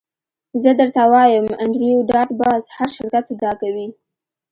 زه درته وایم انډریو ډاټ باس هر شرکت دا کوي